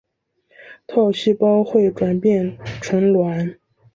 套细胞会转变成卵。